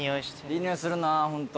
いい匂いするなホント。